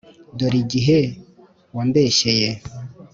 dore igihe wambeshyeye!”